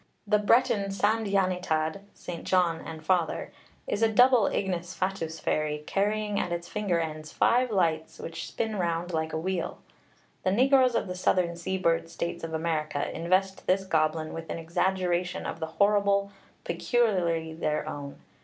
The Breton Sand Yan y Tad (St. John and Father) is a double ignis fatuus fairy, carrying at its finger ends five lights, which spin round like a wheel. The negroes of the southern seaboard states of America invest this goblin with an exaggeration of the horrible peculiarly their own.